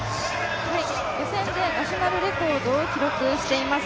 予選でナショナルレコードを記録しています。